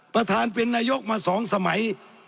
ประธานเป็นนายกมา๒สมัย